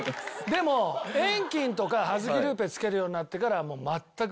でも遠近とかハズキルーペつけるようになってからはもう全く。